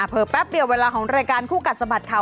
เพิ่มแป๊บเดียวเวลาของรายการคู่กัดสมัสค่ะ